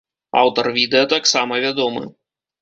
Аўтар відэа таксама вядомы.